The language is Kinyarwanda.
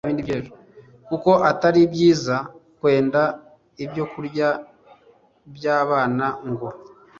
kuko atari byiza kwenda ibyokurya by abana ngo